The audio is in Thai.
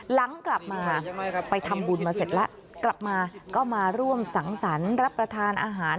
หลังกลับมาไปทำบุญมาเสร็จแล้วกลับมาก็มาร่วมสังสรรค์รับประทานอาหาร